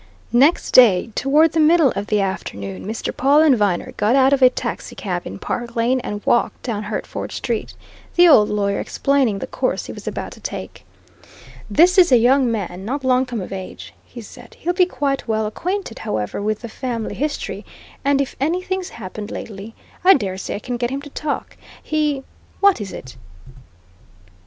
Next day, toward the middle of the afternoon, Mr. Pawle and Viner got out of a taxicab in Park Lane and walked down Hertford Street, the old lawyer explaining the course he was about to take. "This is a young man not long come of age," he said. "He'll be quite well acquainted, however, with the family history, and if anything's happened lately, I dare say I can get him to talk. He What is it?"